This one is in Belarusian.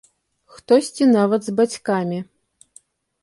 Хтосьці нават з бацькамі.